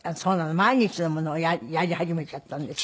毎日のものをやり始めちゃったんですよ。